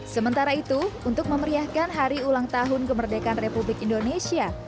sementara itu untuk memeriahkan hari ulang tahun kemerdekaan republik indonesia